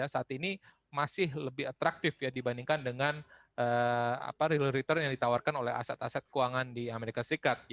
saat ini masih lebih atraktif dibandingkan dengan real return yang ditawarkan oleh aset aset keuangan di amerika serikat